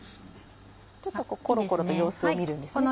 ちょっとコロコロと様子を見るんですね。